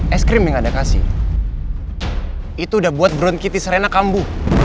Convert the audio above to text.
es krim yang anda kasih itu udah buat brown kitty serena kambu